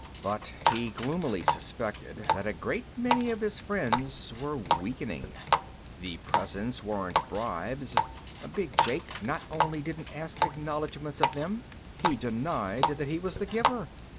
But he gloomily suspected that a great many of his friends were weakening. The presents weren't bribes. Big Jake not only didn't ask acknowledgments of them, he denied that he was the giver.